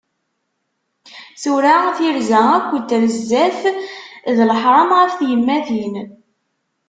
Tura tirza akk d trezzaf d leḥram ɣef tyemmatin.